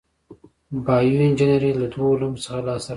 بایو انجنیری له دوو علومو څخه لاس ته راځي.